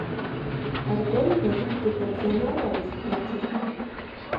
Аргуэру бэлыхь дыхэбдзэну ара узыхэтыр?